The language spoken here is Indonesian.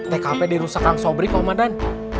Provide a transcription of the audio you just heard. tkp dirusak rang sobring komandan